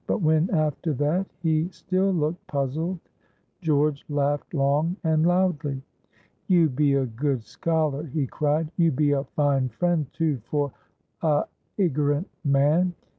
But when, after that, he still looked puzzled, George laughed long and loudly. "You be a good scholar!" he cried. "You be a fine friend, too, for a iggerant man.